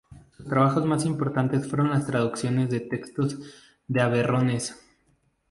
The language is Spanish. Sus trabajos más importantes fueron las traducciones de textos de Averroes.